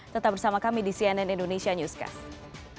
tetap bersama kami di cnn indonesia newscast